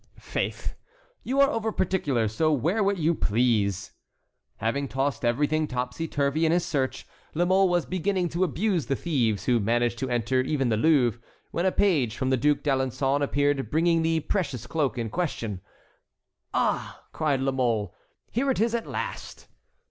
"Faith, you are over particular, so wear what you please." Having tossed everything topsy turvy in his search, La Mole was beginning to abuse the thieves who managed to enter even the Louvre, when a page from the Duc d'Alençon appeared bringing the precious cloak in question. "Ah!" cried La Mole, "here it is at last!"